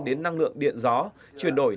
đến năng lượng điện gió chuyển đổi